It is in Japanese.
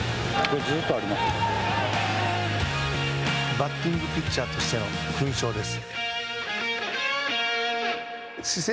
バッティングピッチャーとしての勲章です。